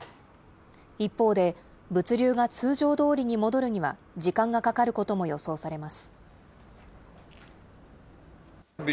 一方で、物流が通常どおりに戻るには、時間がかかることも予想されます。